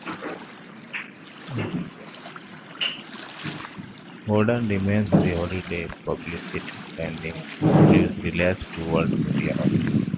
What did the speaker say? Gordon remains the holiday's publicist, sending news releases to world media outlets.